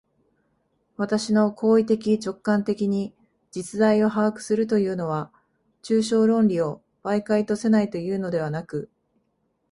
私の行為的直観的に実在を把握するというのは、抽象論理を媒介とせないというのではなく、